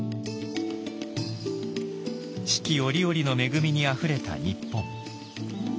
四季折々の恵みにあふれた日本。